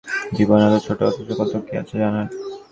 জীবন এত ছোট, অথচ কত কি আছে জানার।